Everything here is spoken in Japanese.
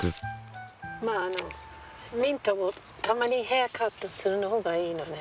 ミントもたまにヘアカットするほうがいいのね。